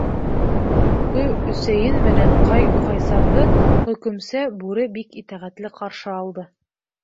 Хө-Өсәйен менән Ҡай-Ҡайсарҙы хөкөмсө бүре бик итәғәтле ҡаршы алды.